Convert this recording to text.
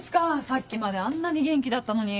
さっきまであんなに元気だったのに。